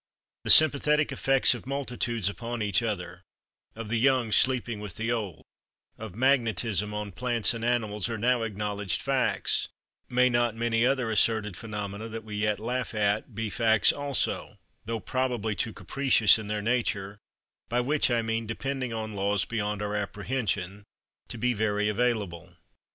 The sympathetic effects of multitudes upon each other, of the young sleeping with the old, of magnetism on plants and animals, are now acknowledged facts: may not many other asserted phenomena that we yet laugh at be facts also, though probably too capricious in their nature—by which I mean, depending on laws beyond our apprehension—to be very available?